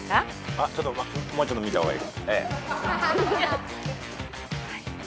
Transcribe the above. あっもうちょっと見た方がいい。